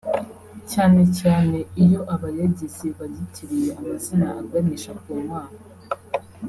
cyane cyane iyo abayagize bayitiriye amazina aganisha ku Mana